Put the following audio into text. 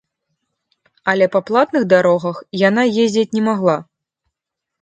Але па платных дарогах яна ездзіць не магла.